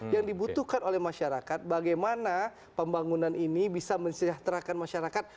yang dibutuhkan oleh masyarakat bagaimana pembangunan ini bisa mensejahterakan masyarakat